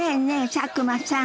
佐久間さん